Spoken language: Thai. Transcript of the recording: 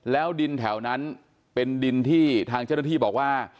แล้วดินแถวนั้นเป็นดินที่ทางเจ้าหน้าที่บอกว่า